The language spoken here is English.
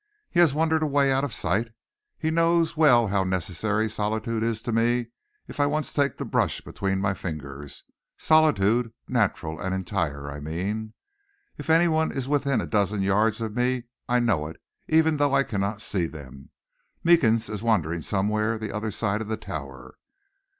"He has wandered away out of sight. He knows well how necessary solitude is to me if once I take the brush between my fingers solitude natural and entire, I mean. If any one is within a dozen yards of me I know it, even though I cannot see them. Meekins is wandering somewhere the other side of the Tower."